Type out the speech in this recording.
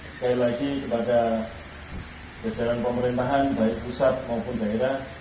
sekali lagi kepada jajaran pemerintahan baik pusat maupun daerah